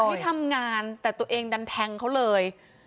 อยากให้ทำงานแต่ตัวเองดันแทงเขาเลย